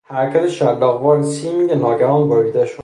حرکت شلاقوار سیمی که ناگهان بریده شد.